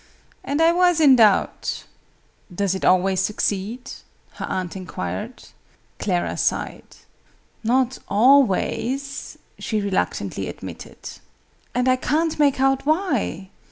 And I was in doubt." "Does it always succeed?" her aunt enquired. Clara sighed. "Not always," she reluctantly admitted. "And I can't make out why.